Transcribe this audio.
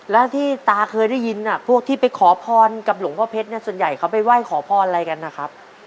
แล้วที่ตาเคยได้ยินพวกที่ไปขอพรกับหลวงพ่อเพชรเนี่ยส่วนใหญ่เขาไปไหว้ขอพรอะไรกันนะครับ